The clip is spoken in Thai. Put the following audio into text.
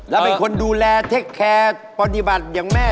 แล้วเป็นคนดูแลเทคแคร์ปฏิบัติอย่างแม่